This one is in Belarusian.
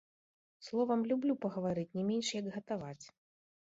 Словам, люблю пагаварыць не менш як гатаваць.